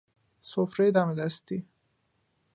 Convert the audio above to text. سفره دم دستی